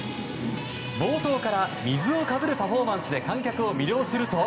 冒頭から水をかぶるパフォーマンスで観客を魅了すると。